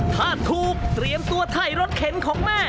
ถ้าถูกเตรียมตัวถ่ายรถเข็นของแม่